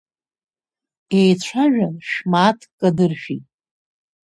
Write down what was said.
Еицәажәан, шә-мааҭк кадыршәит.